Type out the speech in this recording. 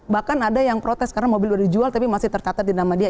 bahkan ada yang protes karena mobil sudah dijual tapi masih tercatat di nama dia